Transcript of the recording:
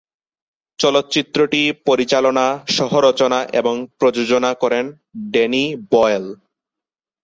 চলচ্চিত্রটি পরিচালনা, সহ-রচনা এবং প্রযোজনা করেন ড্যানি বয়েল।